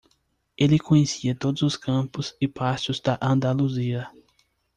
Ele conhecia todos os campos e pastos da Andaluzia.